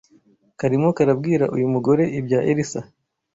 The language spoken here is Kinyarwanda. Karimo karabwira uyu mugore ibya Elisa